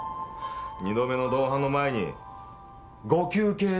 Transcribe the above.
二度目の同伴の前に「ご休憩」で。